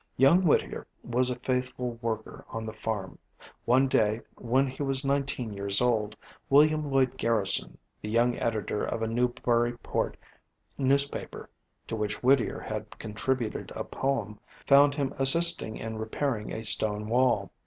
Young Whittier was a faithful worker on the farm. One day, when he was nineteen years old, William Lloyd Garrison, the young editor of a Newburyport newspaper, to which Whittier had contributed a poem, found him assisting in repairing a stone wall.